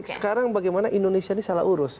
sekarang bagaimana indonesia ini salah urus